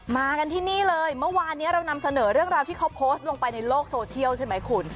มากันที่นี่เลยเมื่อวานนี้เรานำเสนอเรื่องราวที่เขาโพสต์ลงไปในโลกโซเชียลใช่ไหมคุณ